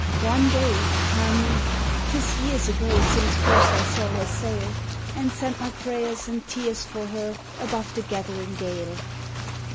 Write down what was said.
One day! Ah, me! 'tis years ago since first I saw her sail, And sent my prayers and tears for her above the gathering gale!